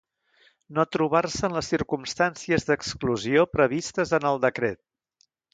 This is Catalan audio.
No trobar-se en les circumstàncies d'exclusió previstes en el Decret.